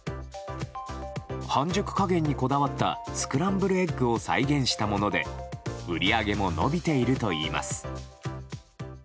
半熟加減にこだわったスクランブルエッグを再現したもので売り上げも伸びているといいます。